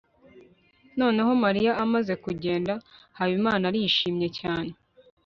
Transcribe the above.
noneho mariya amaze kugenda, habimana arishimye cyane